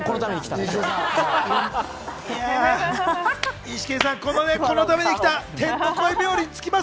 イシケンさん、このために来た、天の声冥利に尽きます。